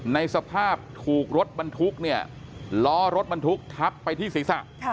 ในสภาพถูกรถบรรทุกเนี่ยล้อรถบรรทุกทับไปที่ศีรษะ